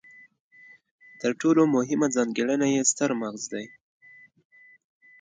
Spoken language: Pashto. تر ټولو مهمه ځانګړنه یې ستر مغز دی.